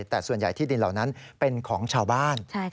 แต่ส่วนใหญ่ที่ดินเหล่านั้นเป็นของชาวบ้าน